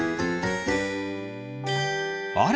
あれ？